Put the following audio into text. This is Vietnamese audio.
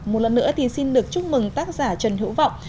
một lần nữa thì xin được chúc mừng tác giả trần hữu vọng